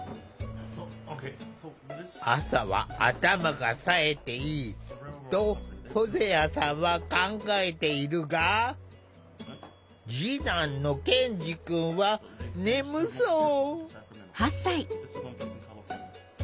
「朝は頭がさえていい」とホゼアさんは考えているが次男のケンジくんは眠そう。